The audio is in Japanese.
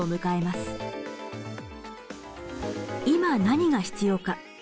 今何が必要か。